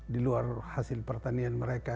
di luar hasil pertanian mereka